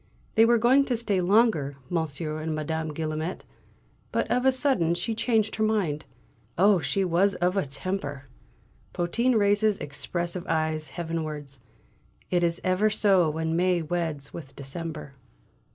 They were going to stay longer, Monsieur and Madame Guillaumet, but of a sudden she changed her mind. Oh, she was of a temper!" Potin raises expressive eyes heavenwards. "It is ever so when May weds with December."